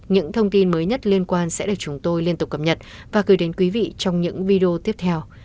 những thông tin mới nhất liên quan sẽ được chúng tôi liên tục cập nhật và gửi đến quý vị trong những video tiếp theo